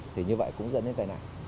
thì như vậy cũng dẫn đến tài nạn